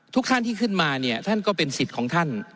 ทุกท่านที่ขึ้นมาเนี่ยท่านก็เป็นสิทธิ์ของท่าน